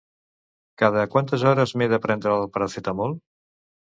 Cada quantes hores m'he de prendre el Paracetamol?